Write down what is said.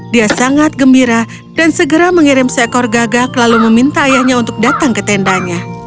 dia sangat gembira dan segera mengirim seekor gagak lalu meminta ayahnya untuk datang ke tendanya